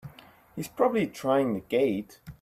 He's probably trying the gate!